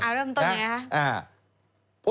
เริ่มต้นอย่างไรครับ